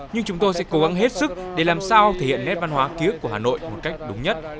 nhưng chúng tôi sẽ cố gắng hết sức để làm sao thể hiện nét văn hóa ký ức của hà nội một cách đúng nhất